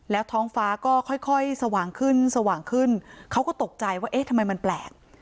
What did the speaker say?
แล้วท้องฟ้าก็ค่อยสว่างขึ้นสว่างขึ้นเขาก็ตกใจว่าเอ๊ะทำไมมันแปลก